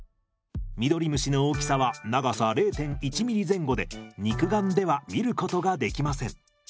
ミドリムシの大きさは長さ０．１ｍｍ前後で肉眼では見ることができません。